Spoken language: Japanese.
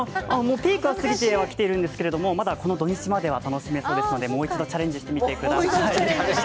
ピークは過ぎてはきてるんですが、まだこの土日までは楽しめそうですのでもう一度チャレンジしてみてください。